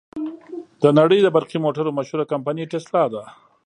د نړې د برقی موټرو مشهوره کمپنۍ ټسلا ده.